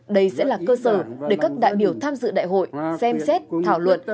đây sẽ là cơ sở để các đại biểu tham dự đại hội xem xét thảo luận